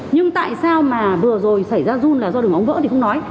nhưng tại sao mà vừa rồi xảy ra run là do đường ống vỡ thì không nói